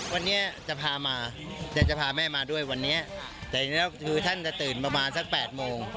วันนี้จะพามาจะพาแม่มาด้วยวันนี้แต่จริงแล้วคือท่านจะตื่นประมาณสัก๘โมง